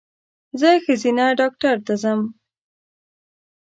زه ښځېنه ډاکټر ته ځم